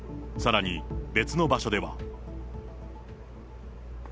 さらに、別の場所では。